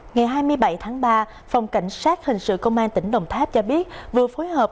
ngày hai mươi bảy tháng ba phòng cảnh sát hình sự công an tỉnh đồng tháp cho biết vừa phối hợp